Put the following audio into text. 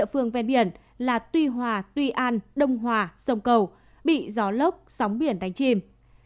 phương ven biển là tuy hòa tuy an đông hòa sông cầu bị gió lốc sóng biển đánh chìm